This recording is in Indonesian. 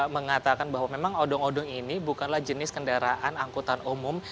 mengatakan bahwa memang odong odong ini bukanlah jenis kendaraan angkutan umum